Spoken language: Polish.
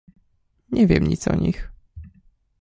"Nie wiem nic o nich."